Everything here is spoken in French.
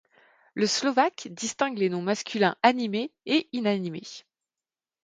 Le slovaque distingue les noms masculins animés et inanimés.